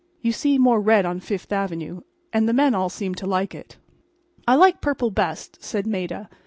You see more red on Fifth avenue. And the men all seem to like it." "I like purple best," said Maida.